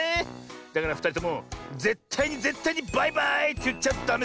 だからふたりともぜったいにぜったいにバイバーイっていっちゃダメサボだよ。